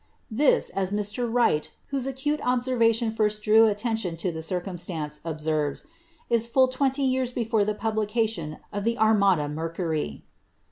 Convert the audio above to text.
* This, as Mr. Wright, whose acute observation first drew attention to the circumstance, observes, is full twenty years before the publication of the " Armada Mercury."